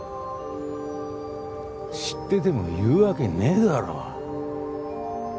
知ってても言うわけねぇだろ。